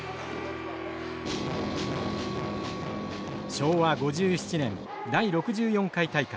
昭和５７年第６４回大会。